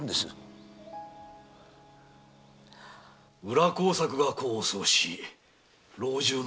裏工作が功を奏し老中の座は目前だ。